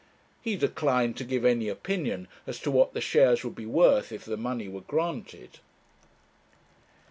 He declined to give any opinion as to what the shares would be worth if the money were granted.